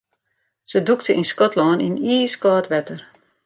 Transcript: Se dûkte yn Skotlân yn iiskâld wetter.